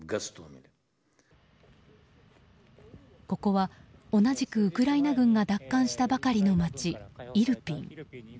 ここは、同じくウクライナ軍が奪還したばかりの街、イルピン。